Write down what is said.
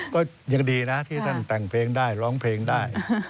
ก็ยังดีนะที่ท่านแต่งเพลงได้ร้องเพลงได้